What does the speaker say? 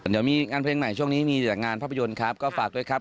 เดี๋ยวมีงานเพลงใหม่ช่วงนี้มีแต่งานภาพยนตร์ครับก็ฝากด้วยครับ